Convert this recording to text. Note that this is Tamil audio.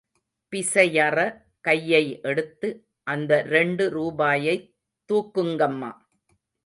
பிசையற கையை எடுத்து அந்த ரெண்டு ரூபாயைத் தூக்குங்கம்மா.